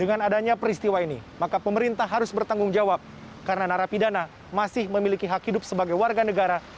dengan adanya peristiwa ini maka pemerintah harus bertanggung jawab karena narapidana masih memiliki hak hidup sebagai warga negara